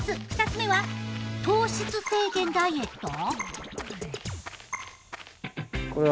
２つ目は「糖質制限ダイエット！？」。